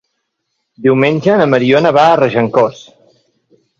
Diumenge na Mariona va a Regencós.